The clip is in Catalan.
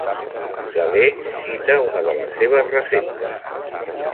Galè cita una de les seves receptes.